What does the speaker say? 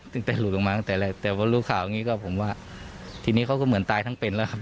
ตั้งแต่หลุดลงมาตั้งแต่แรกแต่พอรู้ข่าวอย่างนี้ก็ผมว่าทีนี้เขาก็เหมือนตายทั้งเป็นแล้วครับ